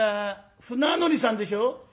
船乗りさんでしょ？」。